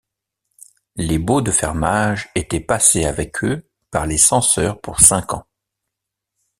Les baux de fermage étaient passés avec eux par les censeurs pour cinq ans.